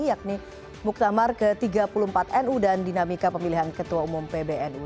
yakni muktamar ke tiga puluh empat nu dan dinamika pemilihan ketua umum pbnu